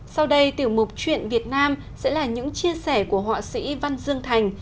sau đây tiểu mục chuyện việt nam sẽ là những chia sẻ của họa sĩ văn dương thành